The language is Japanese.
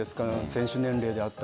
選手年齢であったり。